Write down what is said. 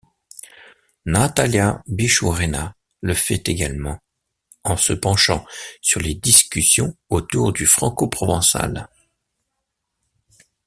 Natalia Bichurina le fait également, en se penchant sur les discussions autour du francoprovençal.